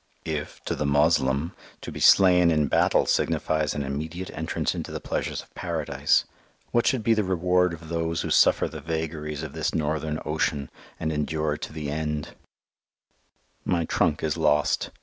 If, to the Moslem, to be slain in battle signifies an immediate entrance into the pleasures of Paradise, what should be the reward of those who suffer the vagaries of this northern ocean, and endure to the end? [Illustration: SAD SEASICK SOULS STREWN AROUND] My trunk is lost.